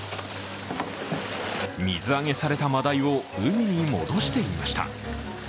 水揚げされたマダイを海に戻していました。